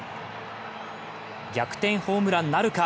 逆転ホームランなるか？